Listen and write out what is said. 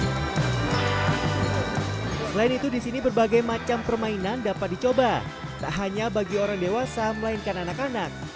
selain itu di sini berbagai macam permainan dapat dicoba tak hanya bagi orang dewasa melainkan anak anak